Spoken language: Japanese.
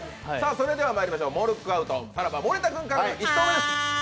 それではまいりましょう、モルックアウト、さらば・森田君からの１投目です。